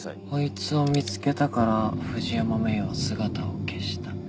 こいつを見つけたから藤山メイは姿を消した。